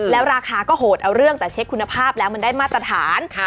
แล้วราคาก็โหดเอาเรื่องแต่เช็คคุณภาพแล้วมันได้มาตรฐาน